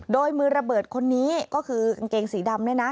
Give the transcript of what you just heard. โดยมือระเบิดคนนี้ก็คือกางเกงสีดำเนี่ยนะ